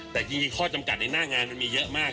แต่จริงข้อจำกัดในหน้างานมันมีเยอะมาก